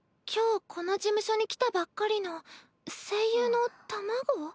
今日この事務所に来たばっかりの声優の卵？